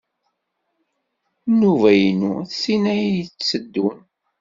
Nnuba-inu d tin ay d-yetteddun.